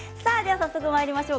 早速、まいりましょう。